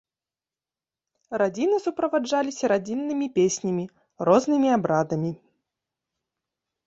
Радзіны суправаджаліся радзіннымі песнямі, рознымі абрадамі.